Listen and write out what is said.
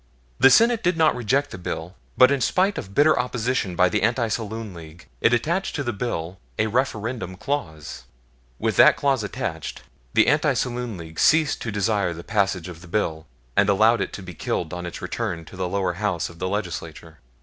The Senate did not reject the bill; but, in spite of bitter opposition by the Anti Saloon League, it attached to the bill a referendum clause. With that clause attached, the Anti Saloon League ceased to desire the passage of the bill, and allowed it to be killed on its return to the lower House of the Legislature.